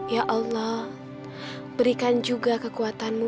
ya allah berikan juga kekuatanmu